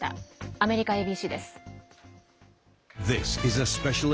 アメリカＡＢＣです。